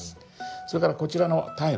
それからこちらのタイム。